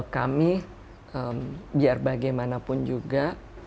kami biar bagaimanapun juga